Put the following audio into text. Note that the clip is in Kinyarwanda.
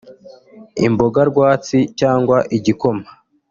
imbogarwatsi cyangwa igikoma